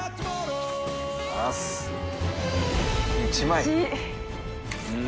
１枚。